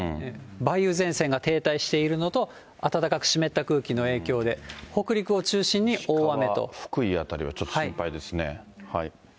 梅雨前線が停滞しているのと、暖かく湿った空気の影響で、福井辺りはちょっと心配ですね。